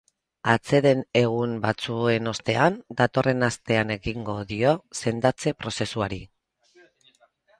Atseden egun batzuen ostean, datorren astean ekingo dio sendatze-prozesuari.